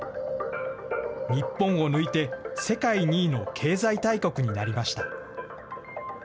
日本を抜いて世界２位の経済大国になりました。